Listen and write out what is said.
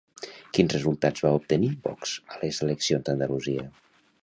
Quins resultats va obtenir Vox a les eleccions d'Andalusia?